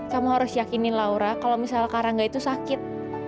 kamu harus yakinin laura kalau misal karangga itu sakit